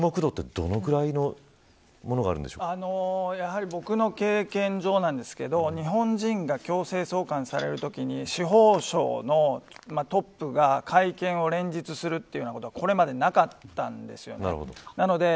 フィリピンでの注目度はどのぐらいのものが僕の経験上なんですが日本人が強制送還されるときに司法省のトップが会見を連日するというようなことはこれまでなかったんです。